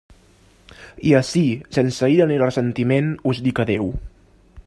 I ací, sense ira ni ressentiment, us dic adéu.